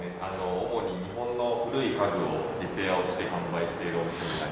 主に日本の古い家具をリペアをして販売しているお店になります。